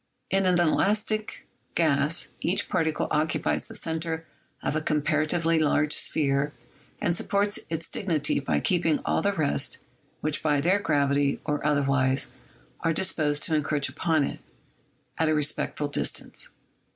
In an elastic gas each particle occupies the center of a comparatively large sphere and supports its dignity by keeping all the rest, which by their gravity, or otherwise, are disposed to encroach upon it, at a respectful distance.